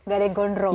gak ada yang gondrong